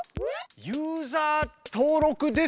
「ユーザー登録」ですか？